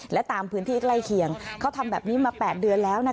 และตามพื้นที่ใกล้เคียงเขาทำแบบนี้มา๘เดือนแล้ว